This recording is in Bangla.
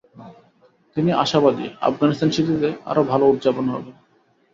তিনি আশাবাদী, আফগানিস্তান সিরিজে আরও ভালো উদযাপন হবে।